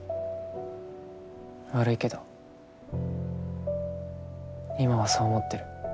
悪いけど今はそう思ってる。